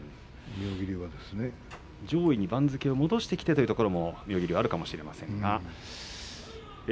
妙義龍は上位に番付を戻してきてというところもあるのかもしれません。